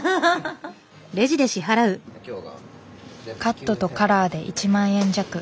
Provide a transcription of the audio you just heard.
カットとカラーで１万円弱。